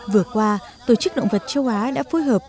vừa qua tổ chức động vật châu á đã phối hợp